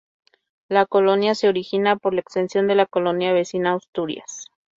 La colonia se origina por la extensión de la colonia vecina Asturias.